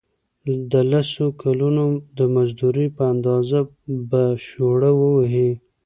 د لسو کلونو د مزدورۍ په اندازه به شوړه ووهي.